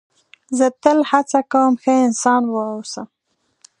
زه تل هڅه کوم ښه انسان و اوسم.